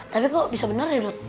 tapi kok bisa bener ya lot